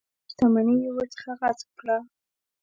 ټوله شته مني یې ورڅخه غصب کړه.